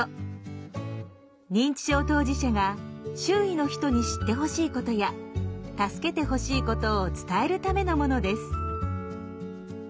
認知症当事者が周囲の人に知ってほしいことや助けてほしいことを伝えるためのものです。